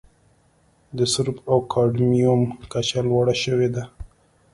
د سرب او کاډمیوم کچه لوړه شوې ده.